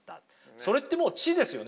それってもう知ですよね。